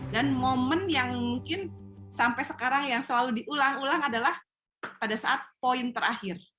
dan momen yang mungkin sampai sekarang yang selalu diulang ulang adalah pada saat poin terakhir